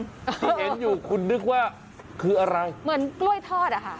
ที่เห็นอยู่คุณนึกว่าคืออะไรเหมือนกล้วยทอดอ่ะค่ะ